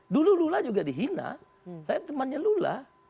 dulu lula juga dihina saya temannya lula